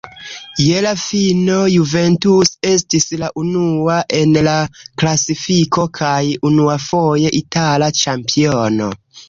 Je la fino Juventus estis la unua en la klasifiko kaj, unuafoje, itala ĉampiono.